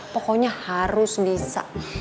pokoknya harus bisa